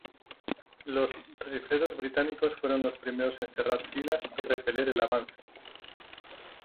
Los rifleros británicos fueron los primeros en cerrar filas y repeler el avance.